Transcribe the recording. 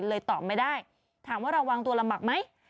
ตอบไม่ได้ถามว่าระวังตัวลำบากไหม